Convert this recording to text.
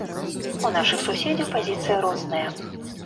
У нашых суседзяў пазіцыі розныя.